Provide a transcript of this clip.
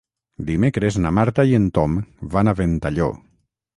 Dimecres na Marta i en Tom van a Ventalló.